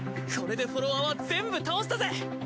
これでフォロワーは全部倒したぜ。